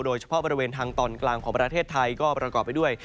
โดยเฉพาะบริเวณทางตอนกลางของประเทศไทยก็ประกอบไปด้วย